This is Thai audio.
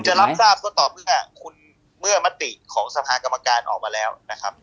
จะรับทราบก็ต่อพึ่งคุณเมื่อมติของสภากรรมการออกมาแล้วนะครับ